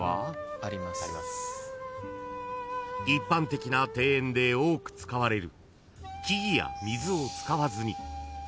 ［一般的な庭園で多く使われる］